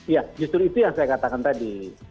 ya justru itu yang saya katakan tadi